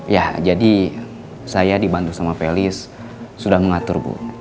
ya jadi saya dibantu sama felis sudah mengatur bu